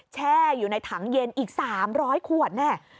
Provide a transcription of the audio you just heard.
แช่อยู่ในถังเย็นอีก๓๐๐ขวดแน่